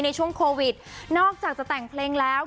ในช่วงโควิดนอกจากจะแต่งเพลงแล้ว